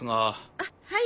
あっはい。